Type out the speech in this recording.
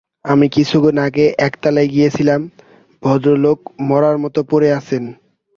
আমি কিছুক্ষণ আগে একতলায় গিয়েছিলাম, ভদ্রলোক মড়ার মতো পড়ে আছেন।